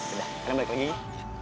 udah kita balik lagi ya